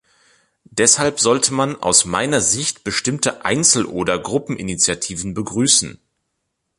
Deshalb sollte man aus meiner Sicht bestimmte Einzeloder Gruppeninitiativen begrüßen.